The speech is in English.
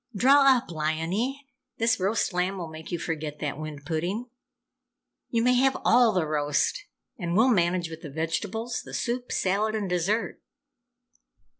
Draw up, Liony! This roast lamb will make you forget that wind pudding. You may have all the roast, and we'll manage with the vegetables, the soup, salad and dessert!"